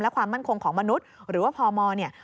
และความมั่นคงของมนุษย์หรือว่าพมเนี่ย